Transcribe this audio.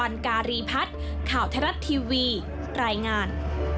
นี้รายงาน